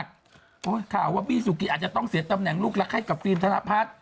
ข่าวว่าบี้สุกีอาจจะต้องเสียตำแหน่งลูกรักให้กับฟิล์มธนพัฒน์